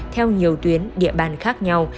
theo nhiều tuyến địa bàn khác nhau